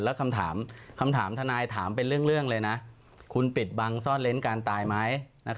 แล้วคำถามทนายถามเป็นเรื่องเลยนะคุณปิดบังซ่อนเล้นการตายไหม